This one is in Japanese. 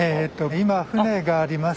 今船があります。